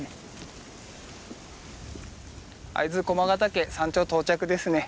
会津駒ヶ岳山頂到着ですね。